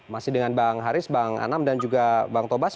masih dengan bang haris bang anam dan juga bang tobas